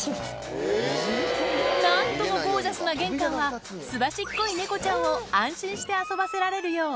何ともゴージャスな玄関はすばしっこい猫ちゃんを安心して遊ばせられるよう